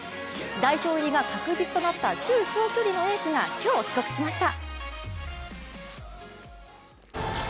代表入りが確実となった中長距離のエースが今日、帰国しました。